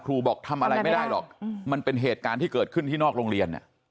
บอกทำอะไรไม่ได้หรอกมันเป็นเหตุการณ์ที่เกิดขึ้นที่นอกโรงเรียน